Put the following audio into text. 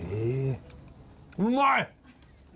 うまい。